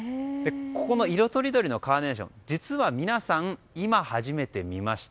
この色とりどりのカーネーション実は皆さん、今初めて見ました。